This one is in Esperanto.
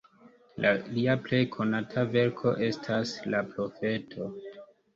Lia plej konata verko estas "La profeto".